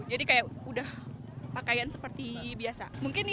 jadi kayak udah pakaian seperti biasa